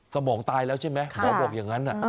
สมองตายแล้วใช่ไหมหมอบอกอย่างนั้น